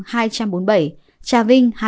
trà vinh hai trăm hai mươi chín